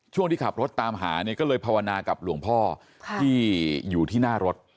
ที่ขับรถตามหาเนี่ยก็เลยภาวนากับหลวงพ่อที่อยู่ที่หน้ารถ